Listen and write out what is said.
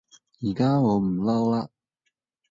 依家我唔撈喇